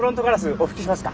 お拭きしますか？